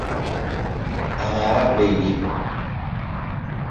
Amara Baby